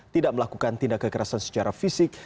tidak melakukan tindak kekerasan secara fisik